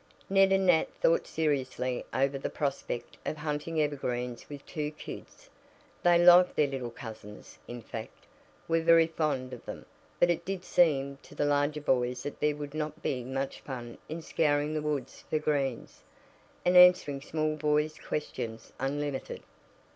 Ned and Nat thought seriously over the prospect of hunting evergreens with two "kids." They liked their little cousins in fact, were very fond of them but it did seem to the larger boys that there would not be much fun in scouring the woods for greens, and answering small boys' questions, unlimited.